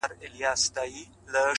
o سیاه پوسي ده. ورځ نه ده شپه ده.